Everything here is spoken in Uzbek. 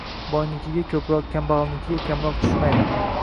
Boynikiga ko‘proq, kambag‘alnikiga kamroq tushmaydi.